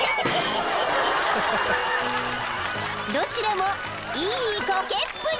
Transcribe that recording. ［どちらもいいコケっぷり］